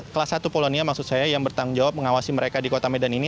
kelas satu polonia maksud saya yang bertanggung jawab mengawasi mereka di kota medan ini